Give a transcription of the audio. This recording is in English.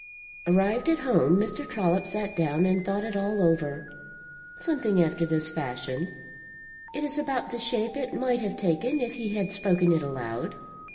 Arrived at home, Mr. Trollop sat down and thought it all over something after this fashion: it is about the shape it might have taken if he had spoken it aloud.